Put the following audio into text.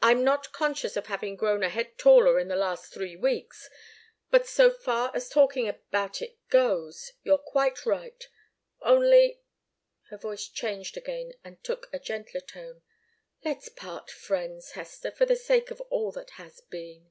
I'm not conscious of having grown a head taller in the last three weeks. But so far as talking about it goes, you're quite right. Only " her voice changed again and took a gentler tone "let's part friends, Hester, for the sake of all that has been."